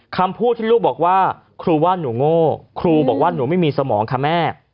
คำพูดที่ลูกบอกว่าครูว่าหนูโง่ครูบอกว่าหนูไม่มีสมองค่ะแม่